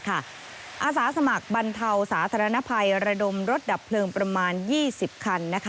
อาสาสมัครบรรเทาสาธารณภัยระดมรถดับเพลิงประมาณ๒๐คัน